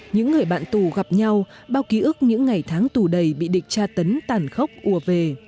những người bạn tù gặp nhau bao ký ức những ngày tháng tù đầy bị địch tra tấn tàn khốc ùa về